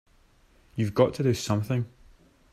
You've got to do something!